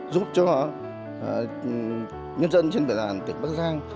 giúp cho nhân dân trên địa bàn tỉnh bắc giang